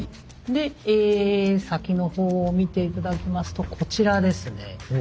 で先の方を見て頂きますとこちらですね。